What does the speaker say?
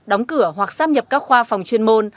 đóng cửa hoặc sắp nhập các khoa phòng chuyên môn